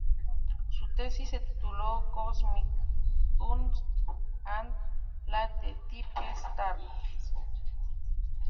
Su tesis se tituló "Cosmic Dust and Late-Type Stars".